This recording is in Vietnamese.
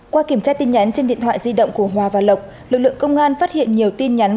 qua kiểm tra tin nhắn trên điện thoại di động của hòa và lộc lực lượng công an phát hiện nhiều tin nhắn